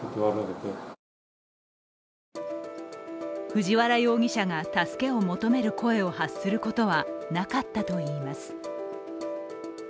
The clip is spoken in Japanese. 藤原容疑者が助けを求める声を発することはなかったといいます。